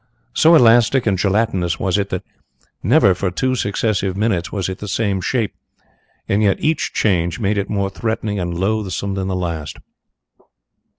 So elastic and gelatinous was it that never for two successive minutes was it the same shape, and yet each change made it more threatening and loathsome than the last.